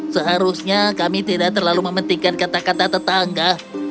seharusnya kami tidak terlalu mementingkan kata kata tetangga